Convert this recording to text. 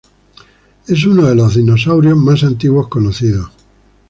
Es uno de los dinosaurios más antiguos conocidos.